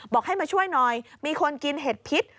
บอกให้มาช่วยหน่อยมีคนกินเห็ดพิษ